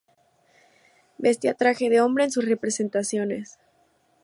Vestía traje de hombre en sus representaciones.